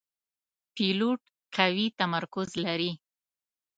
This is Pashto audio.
پیلوټ قوي تمرکز لري.